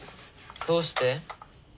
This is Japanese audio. どうして？